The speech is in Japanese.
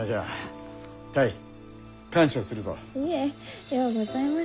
いえようございました。